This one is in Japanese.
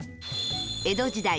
江戸時代